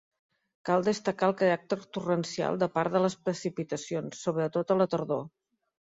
Cal destacar el caràcter torrencial de part de les precipitacions, sobretot a la tardor.